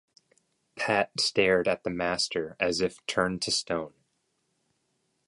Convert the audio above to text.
Pat stared at the master as if turned to stone.